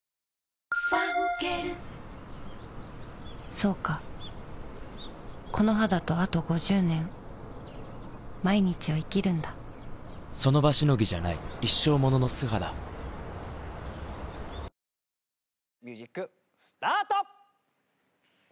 そうかこの肌とあと５０年その場しのぎじゃない一生ものの素肌ミュージックスタート！